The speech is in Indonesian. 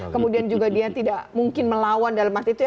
kemudian juga dia tidak mungkin melawan dalam arti itu